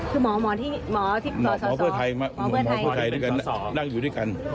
คือหมอที่หมอที่หมอเพื่อไทยหมอเพื่อไทยด้วยกันนั่งอยู่ด้วยกัน